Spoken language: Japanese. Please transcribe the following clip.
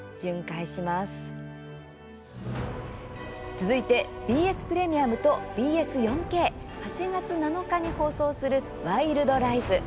続いて、ＢＳプレミアムとＢＳ４Ｋ、８月７日に放送する「ワイルドライフ」。